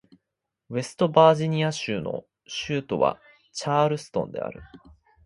ウェストバージニア州の州都はチャールストンである